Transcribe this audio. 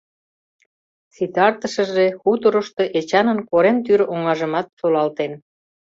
Ситартышыже хуторышто Эчанын корем тӱр оҥажымат солалтен.